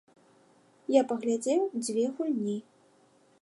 Я паглядзеў дзве гульні.